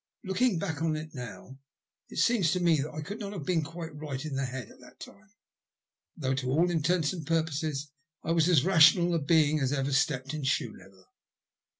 Looking back on it now it seems to me that I could not have been quite right in my head at that time, though to all intents and purposes I was as rational a being as ever stepped in shoe leather.